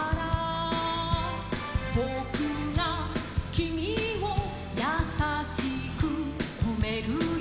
「ぼくがキミをやさしくとめるよ」